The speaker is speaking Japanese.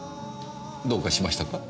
どうかしましたか？